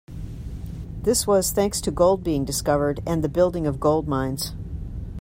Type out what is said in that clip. This was thanks to gold being discovered and the building of gold mines.